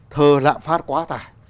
thơ lạm phát quá tải